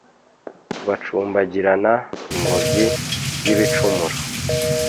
Bacumbagirana ingobyi y ' ibicumuro !